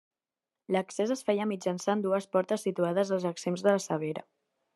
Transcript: L’accés es feia mitjançant dues portes situades als extrems de la cebera.